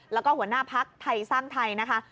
แล้วก็หัวหน้าภักดิ์ไทยสร้างไทยนะคะ